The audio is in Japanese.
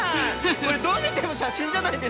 これどう見ても写真じゃないですか。